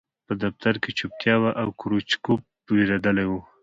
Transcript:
په دفتر کې چوپتیا وه او کروچکوف وېرېدلی و